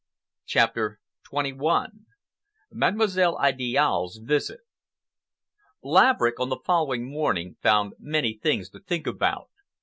CHAPTER XXI MADEMOISELLE IDIALE'S VISIT Laverick, on the following morning, found many things to think about.